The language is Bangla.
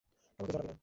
আমাকে জড়াবি না।